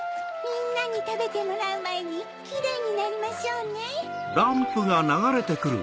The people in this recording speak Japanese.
みんなにたべてもらうまえにキレイになりましょうね。